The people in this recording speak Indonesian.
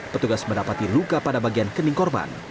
petugas mendapati luka pada bagian kening korban